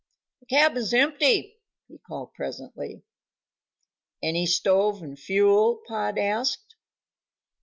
"The cabin's empty," he called presently. "Any stove and fuel?" Pod asked.